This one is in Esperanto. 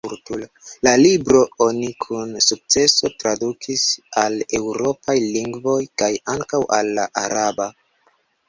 La libron oni kun sukceso tradukis al eŭropaj lingvoj, kaj ankaŭ al la araba.